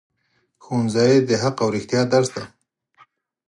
ښوونځی د حق او رښتیا درس دی